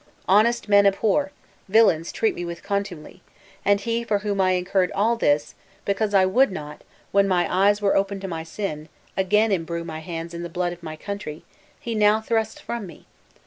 Honest men abhor, villains treat me with contumely; and he for whom I incurred all this, because I would not, when my eyes were open to my sin, again imbrue my hands in the blood of my country, now thrusts me from him!